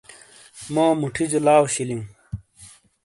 مو مُوٹھیجو لاؤ شِیلِیُوں۔